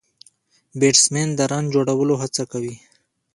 بيټسمېن د رن جوړولو هڅه کوي.